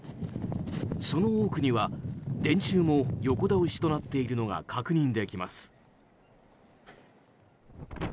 その奥には電柱も横倒しとなっているのが確認できます。